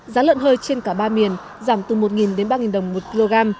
giá lợn hơi trên cả ba miền giảm từ một đến ba đồng một kg